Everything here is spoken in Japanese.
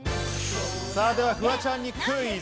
フワちゃんにクイズ。